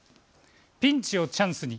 ピンチをチャンスに！